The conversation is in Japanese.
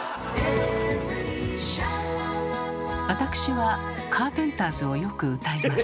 わたくしはカーペンターズをよく歌います。